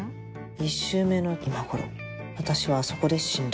１周目の今頃私はあそこで死んだ。